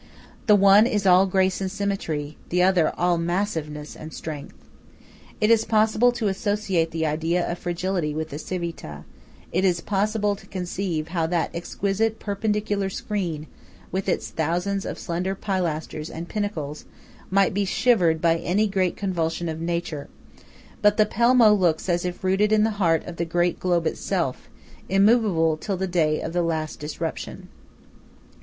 The one is all grace and symmetry; the other all massiveness and strength. It is possible to associate the idea of fragility with the Civita–it is possible to conceive how that exquisite perpendicular screen with its thousands of slender pilasters and pinnacles, might be shivered by any great convulsion of Nature; but the Pelmo looks as if rooted in the heart of "the great globe itself," immoveable, till the day of the last disruption.